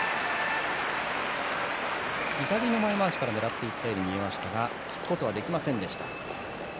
左の前まわしをねらっていったように見えましたが引くことができませんでした。